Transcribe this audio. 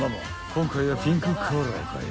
今回はピンクカラーかよ］